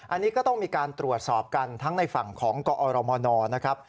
อันนี้ก็ต้องมีการตรวจสอบกันทั้งในฝั่งของกอรมนนะครับ